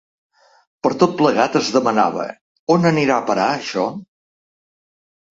Per tot plegat, es demanava: On anirà a parar això?